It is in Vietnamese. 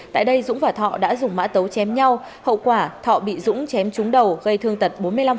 tại đây dũng và thọ đã dùng mã tấu chém nhau hậu quả thọ bị dũng chém trúng đầu gây thương tật bốn mươi năm